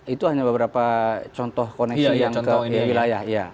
itu hanya beberapa contoh koneksi yang ke wilayah